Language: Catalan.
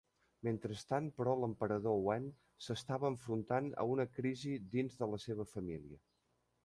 Mentrestant, però, l'emperador Wen s'estava enfrontant a una crisis dins la seva família.